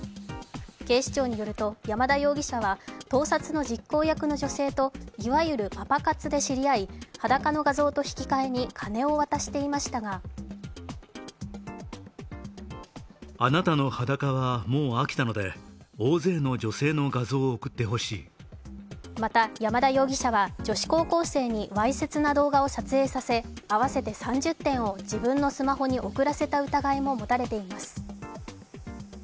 警視庁によると山田容疑者は盗撮の実行役の女性といわゆるパパ活で知り合い裸の画像と引き換えに金を渡していましたがまた、山田容疑者は、女子高校生にわいせつな動画を撮影させ、合わせて３０点を自分のスマホに送らせた疑いも持たれています。